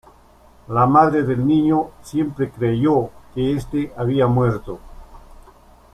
La madre del niño siempre creyó que este había muerto.